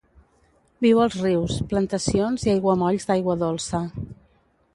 Viu als rius, plantacions i aiguamolls d'aigua dolça.